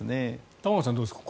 玉川さん、どうですか？